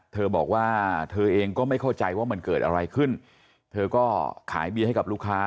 เธอบอกว่าเธอเองก็ไม่เข้าใจว่ามันเกิดอะไรขึ้นเธอก็ขายเบียร์ให้กับลูกค้า